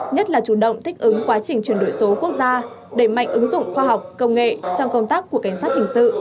nhất là chủ động thích ứng quá trình chuyển đổi số quốc gia đẩy mạnh ứng dụng khoa học công nghệ trong công tác của cảnh sát hình sự